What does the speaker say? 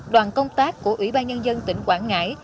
đoàn công tác của ủy ban nhân dân tỉnh quảng ngãi